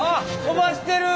飛ばしてる！